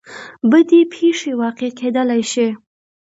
بدې پېښې واقع کېدلی شي.